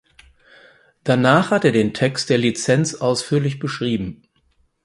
Danach hat er den Text der Lizenz ausführlich beschrieben.